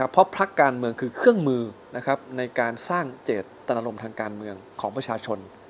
เพราะพักการเมืองคือเครื่องมือในการสร้างเจตนารมณ์ทางการเมืองของประชาชน